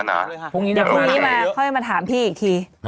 ทีนี้มาค่อยมาถามพี่อีกที